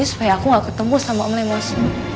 supaya aku gak ketemu sama om lemos